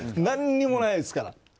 何もないですから。